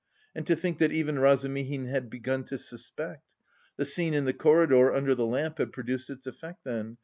"And to think that even Razumihin had begun to suspect! The scene in the corridor under the lamp had produced its effect then.